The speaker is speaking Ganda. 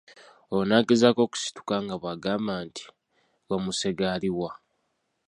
Olwo n'agezaako okusituka nga bw'agamba nti "Wamusege aluwa?